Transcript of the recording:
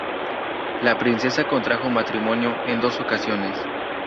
La princesa contrajo matrimonio en dos ocasiones.